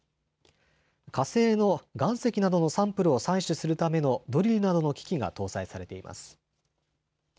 火星の岩石などのサンプルを採取するためのドリルなどの機器が搭載されています。